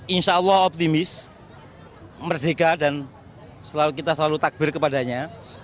insya allah optimis merdeka dan kita selalu takbir kepadanya